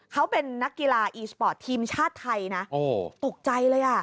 เขาเป็นนักกีฬาอีสปอร์ตทีมชาติไทยนะตกใจเลยอ่ะ